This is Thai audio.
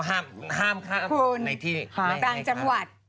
แต่คนต่างจังหวัด